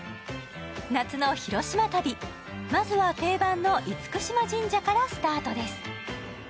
夏の広島旅、まずは定番の厳島神社からスタートです。